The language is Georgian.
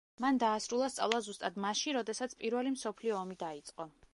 მან დაასრულა სწავლა ზუსტად მაშინ, როდესაც პირველი მსოფლიო ომი დაიწყო.